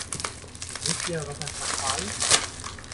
Wisst ihr, was ein Fraktal ist?